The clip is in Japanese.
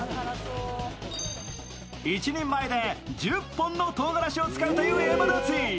１人前で１０本のとうがらしを使うというエマダツィ。